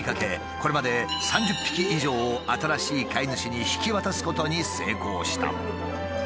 これまで３０匹以上を新しい飼い主に引き渡すことに成功した。